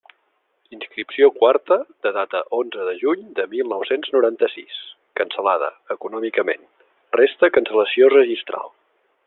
Inscripció quarta, de data onze de juny de mil nou-cents noranta-sis: cancel·lada econòmicament, resta cancel·lació registral.